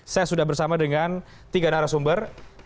saya sudah bersama dengan tiga narasumber